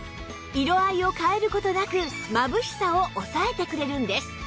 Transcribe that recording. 色合いを変える事なくまぶしさを抑えてくれるんです